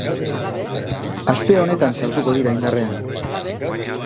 Aste honetan sartuko dira indarrean.